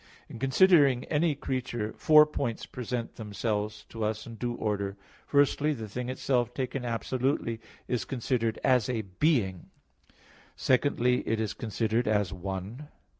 In considering any creature four points present themselves to us in due order. Firstly, the thing itself taken absolutely is considered as a being. Secondly, it is considered as one.